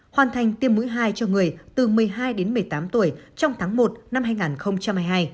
hoàn thành tiêm mũi hai cho người từ một mươi hai đến một mươi tám tuổi trong tháng một năm hai nghìn hai mươi hai